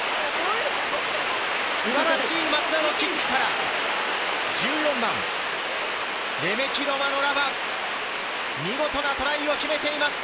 素晴らしい松田のキックから１４番、レメキ・ロマノ・ラヴァ、見事なトライを決めています。